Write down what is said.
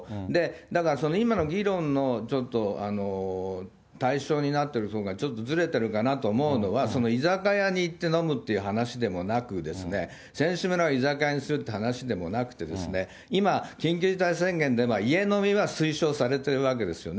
だから、今の議論のちょっと、対象になってるところがちょっとずれてるかなと思うのは、居酒屋に行って飲むっていう話でもなくてですね、選手村を居酒屋にするって話でもなくて、今、緊急事態宣言でも、家飲みは推奨されているわけですよね。